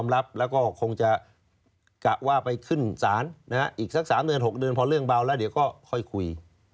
แล้วเดี๋ยวก็ค่อยคุย